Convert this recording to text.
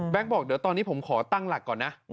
บอกเดี๋ยวตอนนี้ผมขอตั้งหลักก่อนนะ